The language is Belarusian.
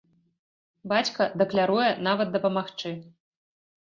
Бацька дакляруе нават дапамагчы!